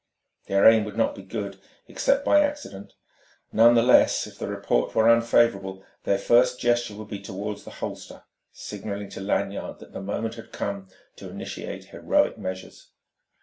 Their aim would not be good, except by accident. None the less, if the report were unfavourable, their first gesture would be toward the holster, signalling to Lanyard that the moment had come to initiate heroic measures.